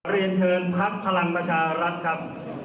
เรียนเชิญพักพลังประชารัฐครับ